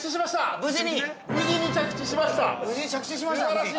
◆無事に着地しました、夫人。